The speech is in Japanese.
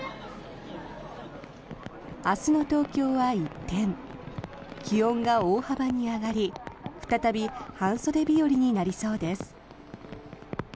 明日の東京は一転気温が大幅に上がり再び半袖日和になりそうです。